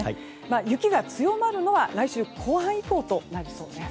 雪が強まるのは来週後半以降となりそうです。